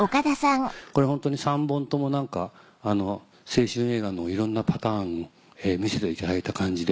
これホントに３本とも青春映画のいろんなパターンを見せていただいた感じで。